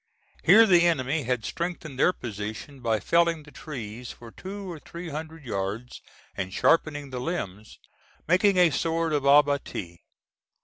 Here the enemy had strengthened their position by felling the trees for two or three hundred yards and sharpening the limbs, making a sort of abattis.